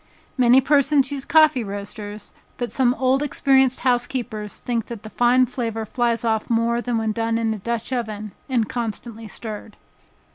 Many persons use coffee roasters, but some old experienced housekeepers think that the fine flavor flies off more than when done in a dutch oven, and constantly stirred.